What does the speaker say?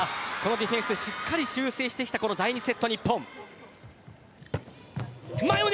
ディフェンスしっかり修正してきた第２セット、日本。